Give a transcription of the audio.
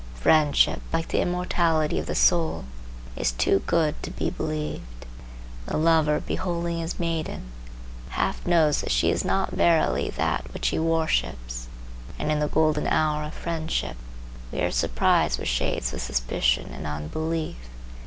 Friendship, like the immortality of the soul, is too good to be believed. The lover, beholding his maiden, half knows that she is not verily that which he worships; and in the golden hour of friendship we are surprised with shades of suspicion and unbelief.